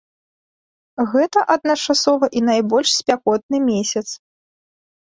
Гэта адначасова і найбольш спякотны месяц.